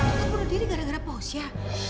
anaknya bunuh diri gara gara pausya